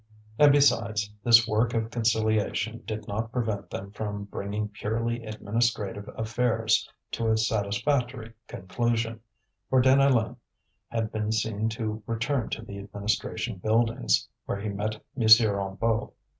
And besides, this work of conciliation did not prevent them from bringing purely administrative affairs to a satisfactory conclusion; for Deneulin had been seen to return to the administration buildings, where he met M. Hennebeau.